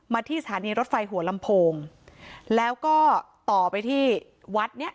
ที่สถานีรถไฟหัวลำโพงแล้วก็ต่อไปที่วัดเนี้ย